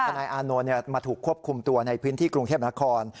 นายอานนท์มาถูกควบคุมตัวในพื้นที่กรุงเทพนคร